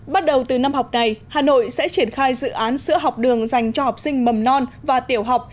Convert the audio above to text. bắt đầu từ năm học này hà nội sẽ triển khai dự án sữa học đường dành cho học sinh mầm non và tiểu học